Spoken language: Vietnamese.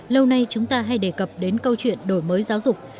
lâu nay chúng ta hay đề cập đến câu chuyện đổi mới giáo dục